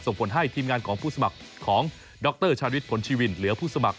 ส่งผลให้ทีมงานของผู้สมัครของดรชาริสผลชีวินเหลือผู้สมัคร